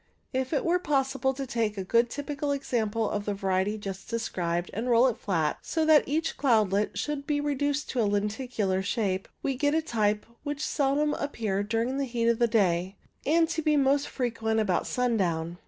If it were possible to take a good typical example of the variety just described and roll it flat, so that each cloudlet should be reduced to a lenticular shape, we get a type which seems seldom to appear during the heat of the day, and to be most frequent about sundown.